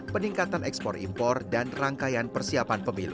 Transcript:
peningkatan ekspor impor dan rangkaian persiapan pemilu